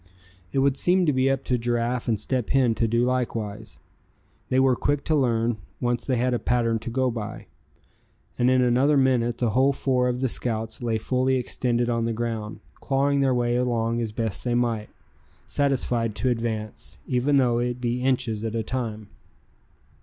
It would seem to be up to Giraffe and Step Hen to do likewise. They were quick to learn, once they had a pattern to go by. And in another minute the whole four of the scouts lay fully extended on the ground, clawing their way along as best they might; satisfied to advance, even though it be inches at a time.